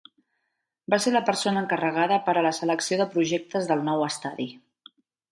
Va ser la persona encarregada per a la selecció de projectes del nou estadi.